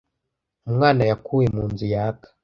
Umwana yakuwe mu nzu yaka.